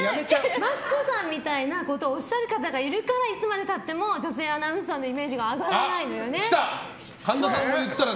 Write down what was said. マツコさんみたいなことをおっしゃる方がいるからいつまでたっても女性アナウンサーのイメージが上がらないのよね。